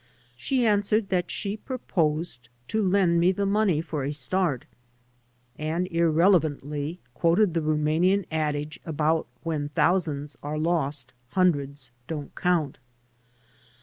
She answered that she proposed to lend me the money for a start, and irrelevantly quoted the Rumanian adage about when thousands are lost hundreds don't count.